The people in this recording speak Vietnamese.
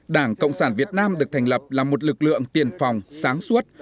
đảng cộng sản việt nam được thành lập là một lực lượng tiền phòng sáng suốt